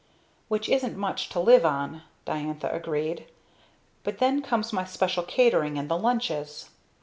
"Which isn't much to live on," Diantha agreed, "but then comes my special catering, and the lunches."